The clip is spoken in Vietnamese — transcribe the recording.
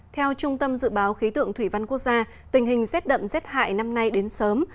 theo trung tâm dự báo khí tượng thủy văn quốc gia tình hình rét đậm rét hại năm nay đến sớm